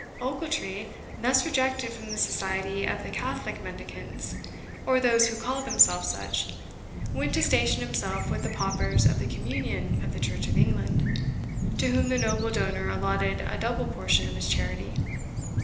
Ochiltree, thus rejected from the society of the Catholic mendicants, or those who called themselves such, went to station himself with the paupers of the communion of the church of England, to whom the noble donor allotted a double portion of his charity.